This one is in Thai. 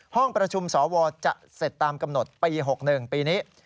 ห้องประชุมสวจะเสร็จตามกำหนดปี๖๑ปีนี้